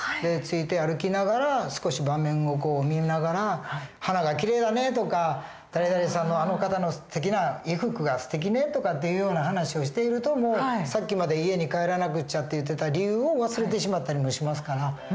ついて歩きながら少し場面を見ながら花がきれいだねとか誰々さんのあの方の衣服がすてきねとかっていうような話をしているともうさっきまで家に帰らなくちゃって言ってた理由を忘れてしまったりもしますから。